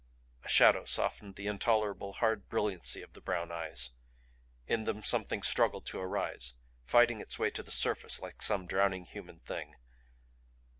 A shadow softened the intolerable, hard brilliancy of the brown eyes. In them something struggled to arise, fighting its way to the surface like some drowning human thing.